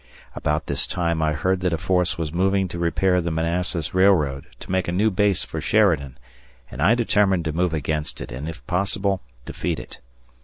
About this time I heard that a force was moving to repair the Manassas Railroad to make a new base for Sheridan, and I determined to move against it and, if possible, defeat it.